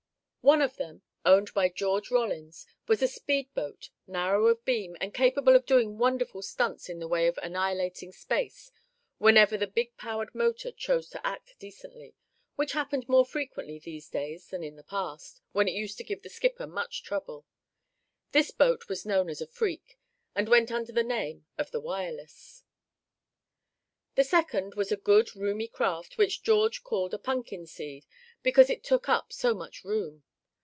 One of them, owned by George Rollins, was a speed boat, narrow of beam, and capable of doing wonderful stunts in the way of annihilating space, whenever the big powered motor chose to act decently, which happened more frequently in these days than in the past, when it used to give the skipper much trouble. This boat was known as a freak, and went under the name of the Wireless. The second was a good, roomy craft, which George called a "punkin seed," because it took up so much room.